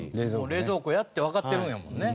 冷蔵庫やってわかってるんやもんね。